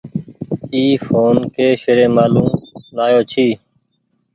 اي ڦون ڪي شهريمآلو لآيو ڇي۔